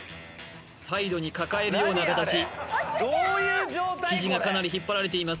サイドに抱えるような形生地がかなり引っ張られています